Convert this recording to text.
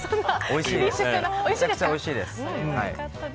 めっちゃおいしいです。